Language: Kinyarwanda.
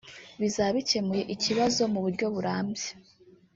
bizaba bikemuye ikibazo mu buryo burambye